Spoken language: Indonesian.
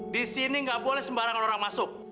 di sini nggak boleh sembarangan orang masuk